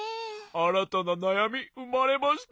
あらたななやみうまれました。